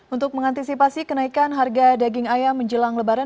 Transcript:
untuk mengantisipasi kenaikan harga daging ayam menjelang lebaran